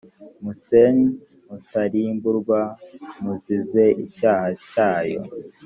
musene mutarimburwa muzize icyaha cyayo